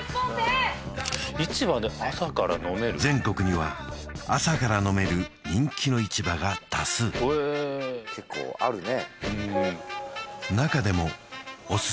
市場で朝から飲める全国には朝から飲める人気の市場が多数へー結構あるね